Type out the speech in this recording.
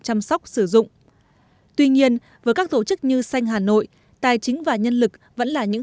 chăm sóc sử dụng tuy nhiên với các tổ chức như xanh hà nội tài chính và nhân lực vẫn là những